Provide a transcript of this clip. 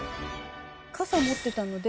傘持ってたので。